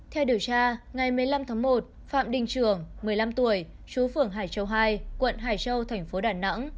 theo điều tra ngày một mươi năm tháng một phạm đình trường một mươi năm tuổi chú phường hải châu hai quận hải châu thành phố đà nẵng